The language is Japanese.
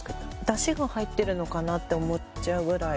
だしが入ってるのかなって思っちゃうぐらい。